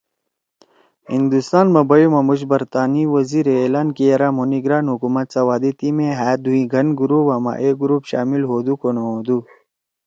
ہندوستان ما بیُوا مُوش برطانی وزیرے اعلان کی یرأ مھو نگران حکومت سوا دی تیِمی ہأ دُھوئں گھن گروپا ما اے گروپ شامل ہودُو کو نہ ہودُو